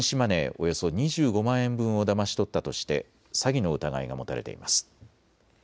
およそ２５万円分をだまし取ったとして詐欺の疑いが持たれています。